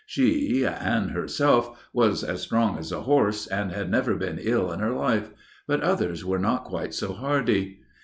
She, Anne herself, was as strong as a horse and had never been ill in her life, but others were not quite so hardy.